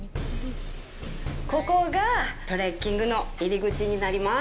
ここがトレッキングの入り口になります。